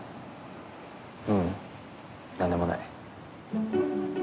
ううんなんでもない。